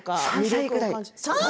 ３歳ぐらい？